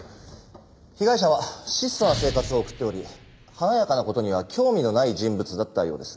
被害者は質素な生活を送っており華やかな事には興味のない人物だったようです。